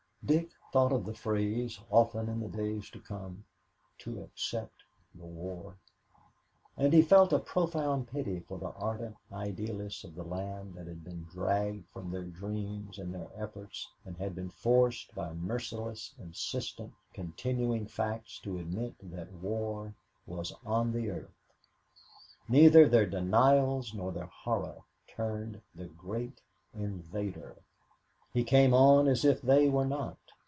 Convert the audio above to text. Dick thought of the phrase often in the days to come, "to accept the war," and he felt a profound pity for the ardent idealists of the land that had been dragged from their dreams and their efforts and had been forced by merciless, insistent, continuing facts to admit that war was on the earth. Neither their denials nor their horror turned the Great Invader. He came on as if they were not.